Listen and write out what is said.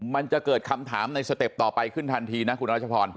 มันจะเกิดคำถามในสเต็ปต่อไปขึ้นทันทีนะคุณรัชพร